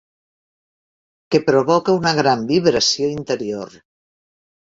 Que provoca una gran vibració interior.